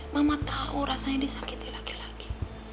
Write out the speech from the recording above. mama tahu rasanya disakiti laki laki